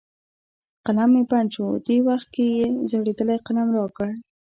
قلم مې بند شو، دې وخت کې یې زړېدلی قلم را کړ.